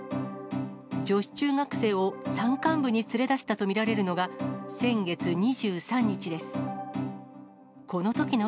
女子中学生を山間部に連れ出したと見られるのが先月２３日です。